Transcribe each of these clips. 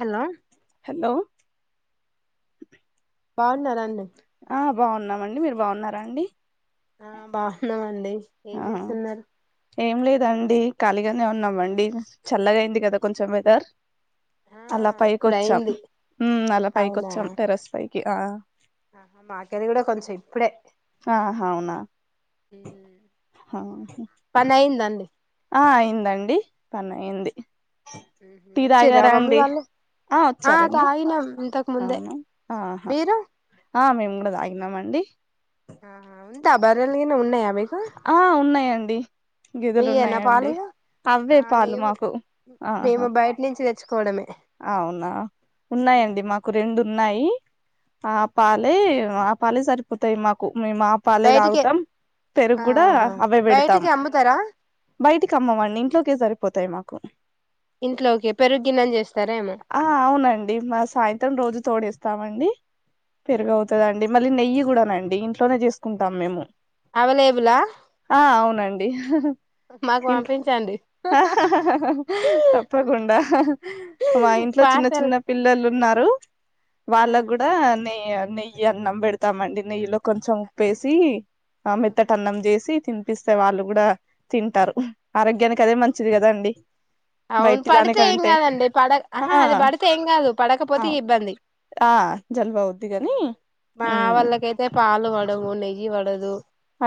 Hello hello బాగున్నారా అండి అ బాగున్నామండి మీరు బాగున్నారా అండి ఆ బాహున్నామండి ఏం ఆ జేస్సున్నారు ఏం లేదండి ఖాళీగానే ఉన్నాం అండి చల్లగా అయింది గదా కొంచెం వెదర్ ఆ అలా పైకి ఇప్పుడు వచ్చాం, అయింది మ్ అలా పైకి అవునా వచ్చాం టెర్రస్ పై కి ఆ ఆహా మా అక్క ది కూడా కొంచెం ఇప్పుడే హా హ్మ్ అయిందా అండి ఆ అయిందండి పని అయింది మ్మ్ హ్మ్ టీ వచ్చిర్రా తాగారా మమ్మీ అండి వాళ్ళు ఆ వచ్చారండి ముందే అవును ఆహా మీరు ఆ మేంగూడ దాగినం అండి ఆహా ఉంత బర్రెలు గిన ఉన్నయ ఆ ఉన్నాయండి గేదెలు మీయేనా ఉన్నాయండి పాలిగా అవే ఆ పాలు లేవు మాకు ఆహా కోడమే అవునా ఉన్నాయండి మాకు రెండు ఉన్నాయి ఆ పాలే ఆ పాలే సరిపోతయ్ మాకు మేము ఆ పాలే బయటికి తాగుతాం, పెరుగు కూడా ఆహా అవే పెడతాం. బయటికి అమ్ముతారా బయటికి అమ్మము అండి ఇంట్లోకే సరిపోతాయి మాకు కొనం ఇంట్లోకే పెరుగు గిన్నని చేస్ ఆ అవునండి మా సాయంత్రం రోజు తోడేస్ తామండి పెరుగవుతదండి మళ్ళీ నెయ్యి కూడానండి ఇంట్లోనే జేసుకుంటాం మేము అవైలబులా ఆ అవునండి మాకు ఇంట్ల్ పంపించండి తప్పకుండా మా ఇంట్లో చిన్న పార్సల్ చిన్న పిల్లలున్నా రు ఆ వాళ్ళగ్గూడా నెయ నెయ్యి అన్నం పెడతామండి నెయ్యిలో కొంచెం ఉప్పేసి. ఆ ఆహా మెత్తట అన్నం చేసి తిని పిస్తే వాళ్ళు కూడా తింటారు. ఆరోగ్యానికి అదే మంచిది గదాండి అవును బయటి పడితే ఏం దానికంటే కాదండి పడ ఆ ఆహా అది పడితే ఏం కాదు పడకపోతే అవును ఇబ్బంది ఆ జలుబు అవుద్ది కాని మా మ్మ్ వాళ్ళకైతే పాలు పడవు నెయ్యి పడదు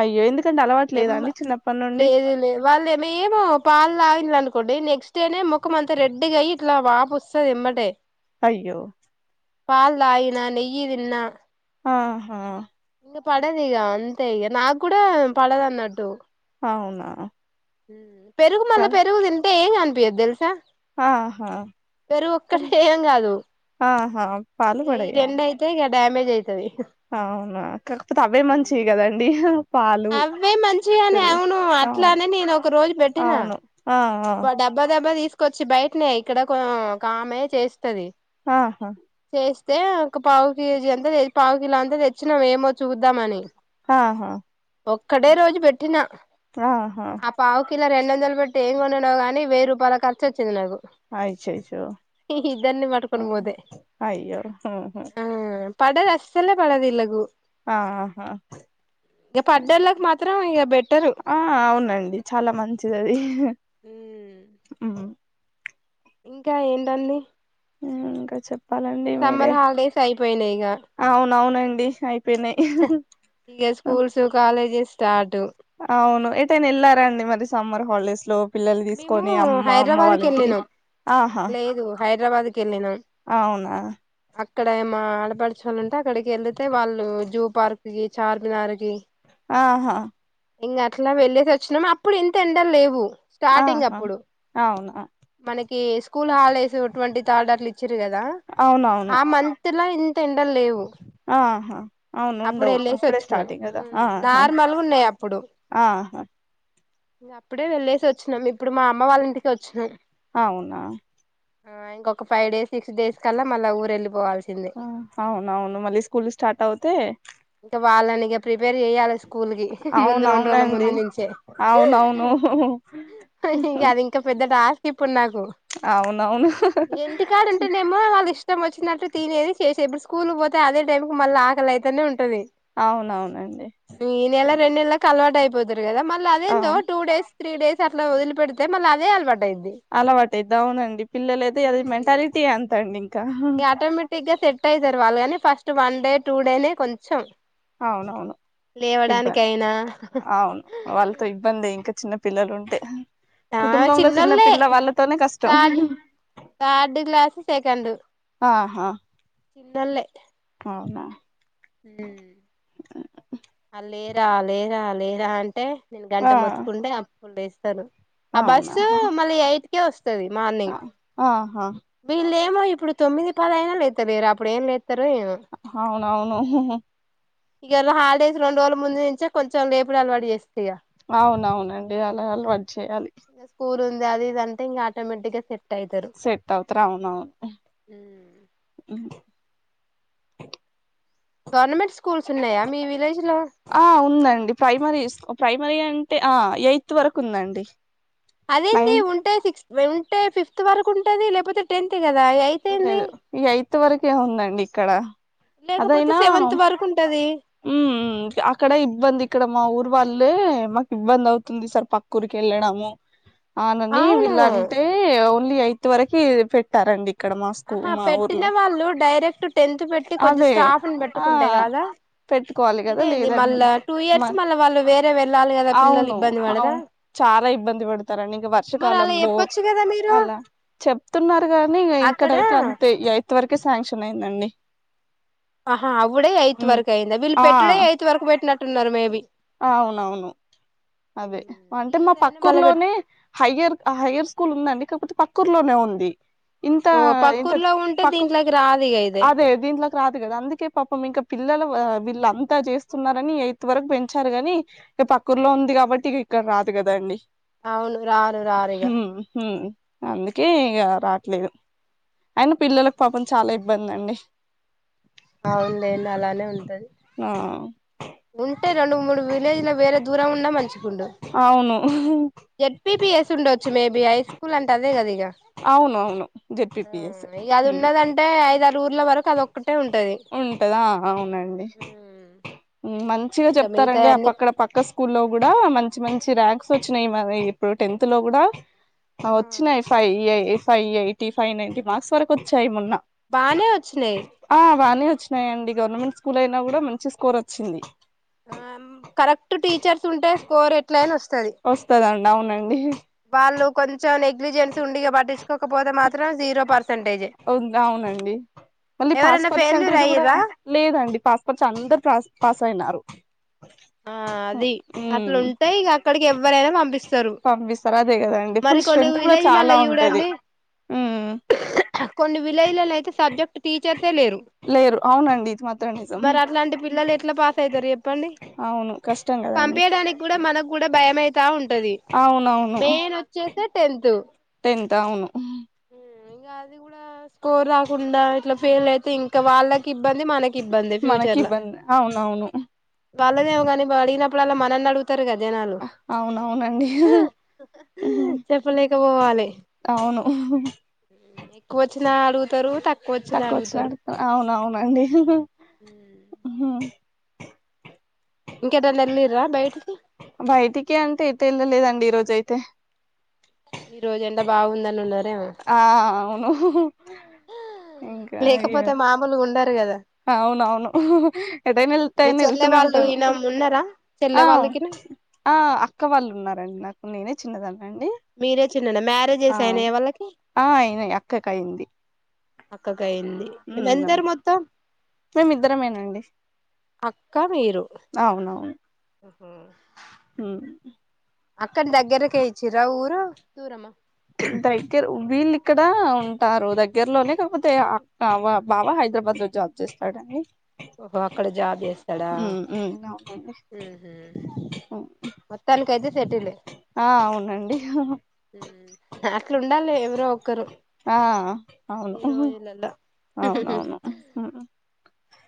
అయ్యో ఎందుకంటే అలవాటు ఏం లేదా అండి చిన్నప్పటి నుండి లేదు లేదు వాళ్ళేమ ఏమో ఇలా అయింది అనుకోండి నెక్స్ట్ డేనే ముఖం అంత రెడ్గా అయి ఇట్లా వాపు వస్తుంది ఎమ్మటే అయ్యో పాల్ తాగినా నెయ్యిదిన్నా ఆహా ఇంక పడదు ఇగ అంతే ఇక నాకు కూడా పడదు అన్నట్టు అవునా హ పెరుగు కా మళ్ళా పెరుగు తింటే ఏం అం పేరుతెలుసా ఆహా ఇద్దరూ ఒక్కటే ఏం గాదు హ ఇగ ఈ రెండయితే గ డేమేజ్ అయి అవునా కాకపోతే అవే మంచివి గదండి. అవే మంచిగాని అవును అవును అట్లానే నేను ఒక రోజు పెట్టినా అవును ఆ ఆ బ డబ్బా దబ్బా తీసుకొచ్చి బయటనే ఇక్కడ ఒక ఒకామే చేస్తది. ఆహా తెస్తే ఒక పావు కేజీ అంతా పావు కిలో అంతా తెచ్చినాం ఏమో చూద్దామని ఆహా ఒక్కడే రోజు పెట్టినా ఆహా రెండొందల పెట్టు ఏం కొని కానీ వెయ్యి రూపాయల ఖర్చు వచ్చింది నాకు అయచో చో ఇద్దరిని ఓ పట్టుకొని పోతే అయ్యో ఆ పడదు అస్సలు పడదు ఈళ్ళకు ఆహా ఇక పడ్డోళ్ళకి మాత్రం ఇక బెట్టరు ఆ అవునండి చాలా మంచిది అది హ్మ్ హ్మ్ ఇంకా ఏంటడి ఇంకా చెప్ప సమ్మర్ హాలిడేస్ అయిపోయినాయిక దిశాయి తాహ్ ఇక స్కూల్స్ కాలేజెస్ తార్ అవును ఏతేన్ ఎలారండి మరి సమ్మర్ హాలిడేస్ లో పిల్లలని మేము తీసుకొని అమ్మ అమ్మ హైదరాబాద్ వాళ్ళ కి ఇంటికి వెళ్ళినాం ఆహా లేదు హైదరాబాద్ కెళ్ళినం అవునా అక్కడ మ ఆడపడచు చాలంటే అక్కడికి వెళితే వాళ్ళు జూ పార్క్ కి చార్మినార్ కి ఆహా ఇంకా అట్లా వెళ్లేేసి వచ్చినాము అప్పుడు ఎంత ఎండలు లేవు స్టాటింగ్ ఆహా అప్పుడు అవునా మనకి కి స్కూల్ హాలిడేస్ ట్వంటితాడ్ అట్ల ఇచ్చి ఇచ్చిరు కదా అవునవును ఆ మంత్ ఇలై తిండల్ లేవు ఆహా అప్పుడు అవునుండవు వెళ్ళేసి అప్పుడే వచ్చినాం స్టార్టింగ్ కదా ఆహా నార్మల్గా ఉన్నాయి అప్పుడు ఆహా అప్పుడే వెళ్లేేసి వచ్చినం ఇప్పుడు మా అమ్మ వాళ్ళ ఇంటికి వచ్చినాం అవునా ఆ ఇంకొక ఫైవ్ డేస్ సిక్స్ డేస్ కల్లా మళ్ళా ఊరు వెళ్ళిపోవాల్సిందే ఆ అవునవును మళ్ళీ స్కూల్ స్టార్ట్ అవుతే ఇంకా వాళ్ళని ఇక ప్రిపేర్ చేయ్యాలి స్కూల్ కి ముందు రెండు రోజుల అవునవునండి ముందు నుంచే అవునవును ఇక అది ఇంకా పెద్దటార్ ఇప్పుడు నా అవునవును ఇంటి కాడుంటేనేమో వాళ్ళ ఇష్టం ఏమ్ వచ్చినట్టు తినేది చేసే ఇప్పుడు స్కూల్ కి పోతే అదే టైంకి మళ్ళీ ఆకలై అట్లనే ఉం అవునవునండి ఈ నెల రెండు నెలకి అలవాట అయిపోతారు ద మళ్ళీ అదేందో అవును టూ డేస్ త్రీడేస్ అట్లా వదిలి పెడితే మళ అదే అలవాటు అయిద్ది అలవాటు అయింది అవునండి పిల్లల అయితే అది ఏదిమ్మంటే అదితి అంతండి ఆటోమేటిక్ గా సెట్ అయితారు వాళ్ళుగని first one day two డేనే కొంచెం అవునవును ఇబ్బంది లేవడానికైనా అవును వాళ్ళతో ఇబ్బంది ఇంకా చిన్న పిల్లలు ఉంటే ఆ కుటుంబంలో చిన్న చిన్నోల్లే పిల్ల వాళ్ళతోనే కష్టం తార్డ్ తార్డ్ క్లాస్ సేకండు ఆ న్నోల్లే అవునా హ్మ్ అ లేరా లేరా లేరా అంటే గంట ఆ మొత్తుకుంటే అప్ లేస్తలు ఆ అవునా బస్సు మళ్ళీ ఎయిట్ ఎస్ ఉంటది మార్నింగ్ ఆహా ఇళ్ళెమో ఇప్పుడు తొమ్మిది పదైనా లేత్త లేరు అప్పుడు ఏం లేత్తరు అవునవును హు హు ఇయళ హాలిడేస్ రెండు రోజుల ముందు నుంచే కొంచెం లేపుడు అలవాటు చేసిన్ అవునవునండి అలా అలవాటు చేయాలి ఇగ స్కూల్ ఉంది అది ఇదీ అంటే ఆటోమేటిక్ గా సెట్ అయితరు సెటప్ అవునవును తిన్నాయా మీ విలేజ్ లో ఆ ఉందండి ప్రైమరీ స్క్ ప్రైమరీ అం టే ఆ ఎయిత్ వరకు ఉందండి. అదేంది నైన్త్ ఉంటాయి సిక్స్ ఉంటే ఫిఫ్త్ వరకు ఉంటది లేకపోతే టెన్త్ కదా ఎయిత్ ఏంది లేదు యయిత్ వరకే ఉందండి ఇక్కడ లేకపోతే అదయినా సెవెంత్ వరకు ఉంటది హ్మ్ ఉ ఉ అక్కడ ఇబ్బంది ఇక్కడ మా ఊరు వాళ్ళే మాకు ఇబ్బంది అవుతుంది సార్ పక్క ఊరికి వెళ్ళడము అవునని అవును వీళ్ళంటే న్లీ యయితు వరకు పెట్టారండి ఇక్కడ మా స్కూ ఆహా మా పెట్టిన ఊర్లో వాళ్ళు డైరెక్ట్ టెన్త్ పెట్టి కొంచెం అదే స్టాఫ్ ని ఆ పెట్టుకుంటే కదా పెట్టుకోవాలి కదా లేదండి మ మళ్ళ వాళ్ళు వేరే వెళ్ళాలి కదా పిల్లలు అవును ఇబ్బంది అవు పడరా చాలా ఇబ్బంది పడతారండి ఇంక మరి అలా వర్షాకాలంలో చెప్పొచ్చు కదా మీరు అలా చెప్తున్నారు కానీ అక్కడ ఇంక్కడైతే అంతే ఇంతవరకే శాంక్షన్ అయిందండి. ఆహా అవుడే ఎ త్ ఉమ్. వరకు అయింద వీళ్ళు ఆ పెట్టుడే ఎయిత్ వరకు పెట్టినట్టు అంటున్నారు మేబీ అవునవును అదే ఈ అంటే మా ఇయర్ అయినా మళ్ళ పెట్టు పక్కూర్లోనే హయ్యర్ హయర్ స్కూల్ ఉందండి. కాకపోతే పక్కూర్ లోనే ఉంది. ఇంత ఓ ఇంత పక్కూర్లో ఉంటే పక్క దీంట్లోకి రాదు ఇగ ఇది. అదే దీంట్లోకి రాదు కదా అందుకే పాపం ఇంకా పిల్లలు వీళ్ళంతా చేస్తున్నారని ఎయితు వరకు పె ంచ్చారు గాని ఇగ పక్కూర్లో ఉంది కాబట్టి ఇ ఇక్కడ రాదు కదాండి. అవును రారు రారు ఇగ హ్మ్. అందుకే ఇగ రాట్లేదు అయిన పిల్లలకు పాపం చాలా ఇబ్బంది అండి. అవునులేండి అలానే ఉంటది. ఆ ఉంటే రెండు మూడు విలేజ్ లో వేరే దూరం ఉన్నా మంచి అవును చ్చు మేబీ హై స్కూల్ అంటే అదే కదా ఇ గ అవును అవును జెడ్పిపిఎస్ ఆ అది ఉన్నదంటే ఐ ఊర్ల వరకు అదొ ఒక ఉంటదా ఆ అవునండి మం మంచిగా ఇంకా చెప్తారండి మిగతాయి ఆ అన్ని పక్కడ పక్క స్కూల్లో కూడా మంచి మంచి ర్యా ంక్స్ వచ్చినాయి మరి ఇప్పుడు టెన్త్ లో కూడా ఆ వచ్చినాయి ఫైవ్ ఎ five eighty, five ninety marks వరకు వచ్చాయి మొన్న బానే వచ్చినయి. ఆ బానే వచ్చినయి అండి గవర్నమెంట్ స్కూల్ అయినా కూడా మంచి స్కోర్ అచ్చింది. ఆ కరెక్ట్ టీచర్స్ ఉంటే స్కోర్ ఎట్లయినా వస్తది. వస్తదండి అవునండి. వాళ్ళు కొంచెం నెగ్లిజెన్స్ ఉండి ఇగా పట్టిచ్చుకోకపోతే మా ఉంద్ అవునండి మళ్ళీ పాస్ ఎవరైనా ఫెయిల్యూర్ పర్సెంటేజ్ కూడా అయ్యిర్రా లేదండి. పాస్పర్చు అందరూ పా పాస్ అయినారు. ఆ అది అట్ల ఉమ్ ఉంటయి ఇగ అక్కడికి ఎవ్వరైనా పంపిస్ పంపిస్తారు అదే కదండి ఫుల్ స్ట్రెంత్ కూడా విలేజ్లలో చాలా ఉంటది. చూడండి హ్మ్ కొన్ని విలేజెలల్లా అయితే సబ్జెక్ట్ టీచర్స్ లేరు లేరు అవునండి ఇది మాత్రం నిజం మరి అట్లాంటి పిల్లలు ఎట్ల పాస్ అయితారు చెప్పండి అవును కష్టం కదండి పంపియడానికి కూడా మనకు కూడా భయమయితా ఉంటది మెయిన్ వచ్చే టెంతు టెంతా అవును ఇంకా అది కూడా స్కోర్ రాకుండా ఇట్లా ఫెయిల్ అయితే ఇంకా వాళ్ళకి ఇబ్బంది మనకి ఇబ్బంది మనకిబ్బందే అవునవును వాళ్ళనేమో కాని అడిగినప్పుడల్ల మనల్నే అడుగు గుతారు కదా జనాలు అవునవునండి ఉహు, చెప్పనీకి పోవాలి అవును ఎక్కువ వచ్చినా అడుగుతారు తక్కు తక్కువొచ్చిన అడుగుతారు అవునవునండి ఇంకేటన్న వెళ్ళరా బైటికి బయటికి అంటే ఎటు వెళ్ళలేదండి ఈ రోజు అయితే ఈ రోజు ఎండ బాగుందని ఉన్నారు ఆ అవును ఇంకా ఇ లేకపోతే మామూలుగా ఉండరు కదా అవునవును ఎటైనా వెళ్తే మీ చెల్లె వెళ్తూనే వాళ్ళు ఉంటాను ఈయన ఉన్నారా చెల్లె ఆ వాళ్ళకినా ఆ అక్క వాళ్ళు ఉన్నారండి నాకు నేనే చిన్నదాన్నండి మీరే చి ఆ ఆ అయినాయి అక్కకి అయింది అక్కకి అయింది మ ఎందరు అవును మొత్తం మేమిద్దరమేనండి అక్క మీరు మ్మ్ హ్మ్మ్ అక్కడి దగ్గరికే ఇచ్చిరా ఊరు దూరమా దగ్గర ఉబెలి ఇక్కడ ఉంటారు దగ్గరలోనే కాకపోతే అ బాబా బావ హైదరాబాద్ లో జాబ్ చేస్తాడండి ఓహో అక్కడ జాబ్ చేస్తాడా హ్మ్. హ్మ్. అవునండి హ్మ్. మొత్తాని కైతే ఆ అవునండి అట్లా ఉండాలి ఎవరో ఒక్కరు ఆ అవును ఈ రోజులలో అవునవును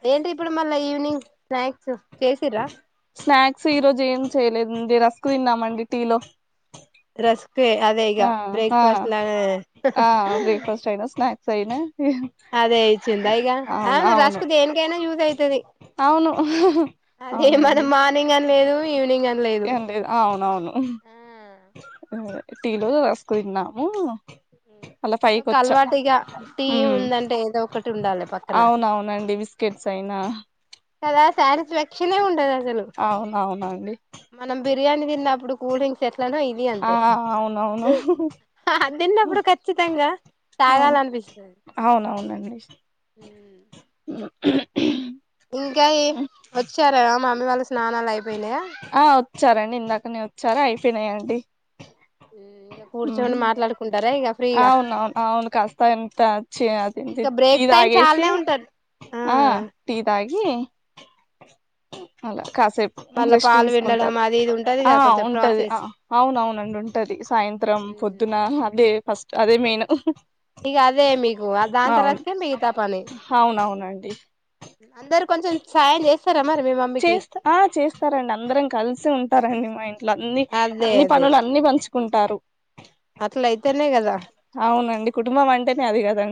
ఏంటి ఇప్పుడు మళ్ళా ఈవెనింగ్ స్నాక్సు చేసిర్ర స్నాక్స్ ఈ రోజు ఏం చేయలేదుండి రస్కు తిన్నామండి టీ లో రస్కే అదే ఇగ ఆ ఆ బ్రేక్ఫాస్ట్లాగా సైనా అదే యేసిండ ఇగా అవును రస్కు దేనికైనా యూస్ అయి తది అవును అదే మరి అవునండి మార్నింగ్ లేదు యు ఏం లేదు అవునవును ఆ టీలో రాసుకు తిన్నాము అలా పైకి అదక వచ్చా అలవాటుగా టీ ఉమ్ ఉందంటే ఏదో ఒకటి ఉండాలి పక్కన అవునవునండి బిస్కెట్స్ అయినా కదా సనస్ చలే ఉండదు అసలు అవునవునండి మనం బిర్యానీ తిన్నప్పుడు కూల్ డ్రింగ్క్ అలను ఇది ఆ అంతే అవునవును తిన్నప్పుడు ఖచ్చితంగా అవును తాగాలనిపిస్తుంది అవునవునండి ఇంకాయ వచ్చారా మామ వాళ్ళ స్నాాలల ఆ ఉచ్చార ఇందాకనే వచ్చారా అయిపోయినాయిడి ఇంక కూర్చొని మాట్లాడుకుంటారా ఇక ఫ్రీగా అవును అవును అవును కాస్తా ఎంత తి ఇంకా టీ బ్రేక్ టైం తాగేసి చాలానే ఉంటది ఆ టీ తాగే ఇ అ కాసేపూ మళ్ళా పాలు పిండడం తీసుకుంటారు అది ఇది ఉంటది ఆ ఇక కొంచెం ఉంటది ప్రాసెస్ అవునవునండి ఉంటది సాయంత్రం పొద్దున అదే అదే మెయిన్ ఇగ అదే మీకు దాని తర్వాతనే మిగతా పని అడి అందరుూ కొంచెం సాయం చేస్తా చేస్త ఆ చేస్తారంండి అందరం కలిసి ఉంటారండి మా ఇంట్లో అన్ని అదే అన్ని అదే పనులు అన్నిీ పం కుంటారు అట్ల అయితేనే కదా అవునండి కుటుంబం అంటేనే అది కదం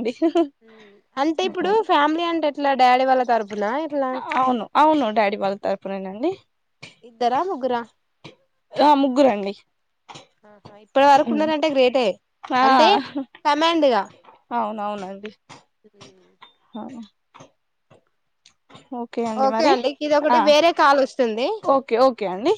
అంటే ఇప్పుడు ఫ్యామిలీ అంటే ఎట్లా డాడీ వాళ్ళ తరఫునా ఇట్లా అవును అవును డాడీ వాళ్ళ తరపునేనండి ఇద్దరా ముగ్గురా ఆ ముగ్గురండి ఇప్పటి వరకు హ్మ్. ఉన్నదంటే గ్రేటే ఆ అంటే కమాండ్గా అవునండి హ అవు ఓకే అండి మరి ఇది ఒకటి వేరే కాల్ వస్తుంది ఓకే ఓకే అండి